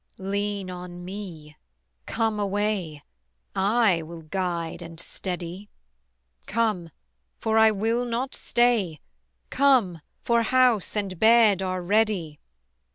Lean on me, come away, I will guide and steady: Come, for I will not stay: Come, for house and bed are ready.